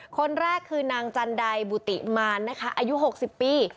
คนแรกคือนางจันไดบุติมารนะคะอายุ๖๐ปี